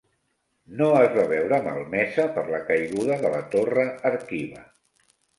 No es va veure malmesa per la caiguda de la torre Arqiva.